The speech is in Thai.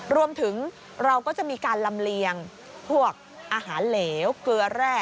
รวมถึงเราก็จะมีการลำเลียงพวกอาหารเหลวเกลือแร่